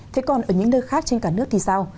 thế còn ở những nơi khác trên cả nước thì sao